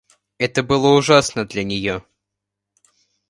Это было ужасно для нее.